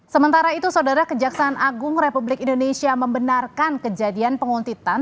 sementara itu saudara kejaksaan agung republik indonesia membenarkan kejadian penguntitan